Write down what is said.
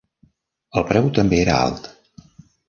El preu també era alt.